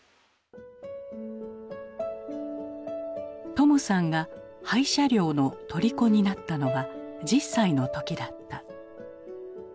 友さんが廃車両のとりこになったのは１０歳の時だった。